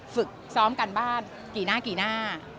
ฝึกซ้อมการบ้านกี่หน้า